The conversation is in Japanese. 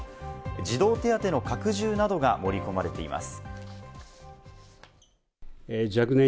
児童手当の拡充などが盛り込まれています。